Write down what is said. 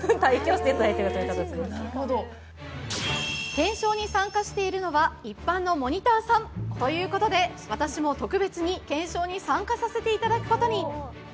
検証に参加しているのは一般のモニターさんということで私も特別に検証に参加させていただくことに。